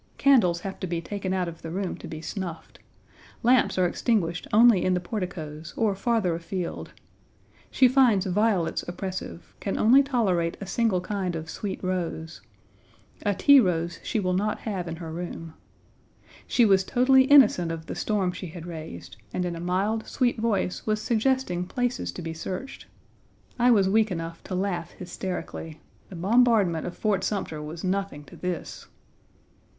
Candles have to be taken out of the room to be snuffed. Lamps are extinguished only in the porticoes, or farther afield. She finds violets oppressive; can only tolerate a single kind of sweet rose. A tea rose she will not have in her room. She was totally innocent of the storm she had raised, and in a mild, sweet voice was suggesting places to be searched. I was weak enough to laugh hysterically. The bombardment of Fort Sumter was nothing to this.